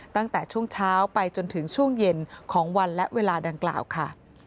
ตั้งแต่ช่วงเช้าไปจนถึงช่วงเย็นของวันและเวลาดังกล่าวค่ะ